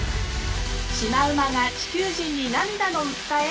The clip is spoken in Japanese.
シマウマが地球人に涙の訴え？